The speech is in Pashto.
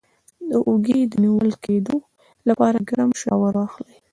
د اوږې د نیول کیدو لپاره ګرم شاور واخلئ